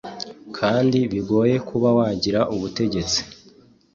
kandi bigoye kuba wagira ubutegetsi